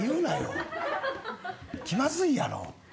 気まずいやろ。